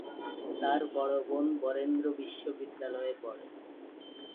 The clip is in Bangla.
তার বড় বোন বরেন্দ্র বিশ্ববিদ্যালয়ে পড়ে।